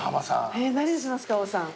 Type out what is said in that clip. えっ何にしますか大さん。